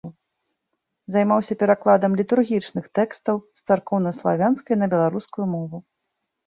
Займаўся перакладам літургічных тэкстаў з царкоўнаславянскай на беларускую мову.